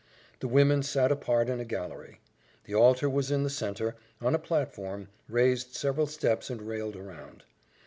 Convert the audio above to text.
The women sat apart in a gallery. The altar was in the centre, on a platform, raised several steps and railed round.